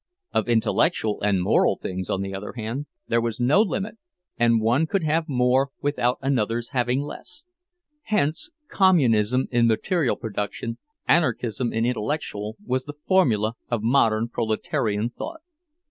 Of intellectual and moral things, on the other hand, there was no limit, and one could have more without another's having less; hence "Communism in material production, anarchism in intellectual," was the formula of modern proletarian thought.